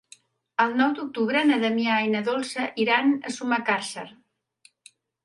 El nou d'octubre na Damià i na Dolça iran a Sumacàrcer.